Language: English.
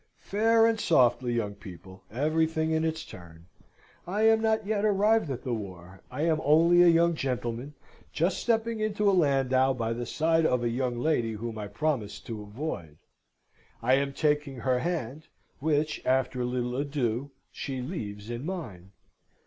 "Fair and softly, young people! Everything in its turn. I am not yet arrived at the war. I am only a young gentleman, just stepping into a landau, by the side of a young lady whom I promised to avoid. I am taking her hand, which, after a little ado, she leaves in mine.